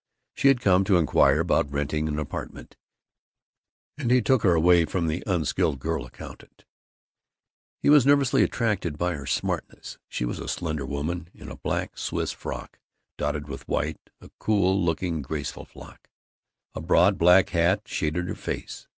She had come to inquire about renting an apartment, and he took her away from the unskilled girl accountant. He was nervously attracted by her smartness. She was a slender woman, in a black Swiss frock dotted with white, a cool looking graceful frock. A broad black hat shaded her face.